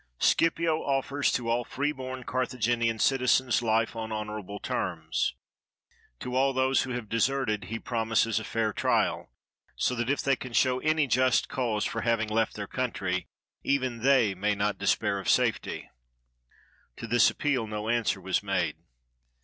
"Scipio offers to all free born Carthaginian citizens, life on honorable terms. To all those who have deserted he promises a fair trial, so that if they can show any just cause for having left their country, even they may not despair of safety." To this appeal no answer was made.